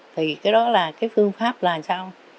thì cái đó là cái phương pháp là sao